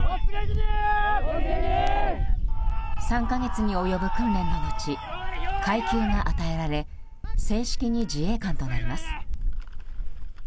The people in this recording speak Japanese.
３か月に及ぶ訓練の後階級が与えられ正式に自衛官となります。